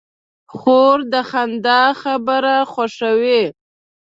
خور د خندا خبره خوښوي.